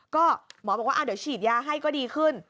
ก็หมอบอกว่าเดี๋ยวฉีดยาให้ก็ดีขึ้น